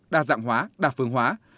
đa dạng hóa đa phương hóa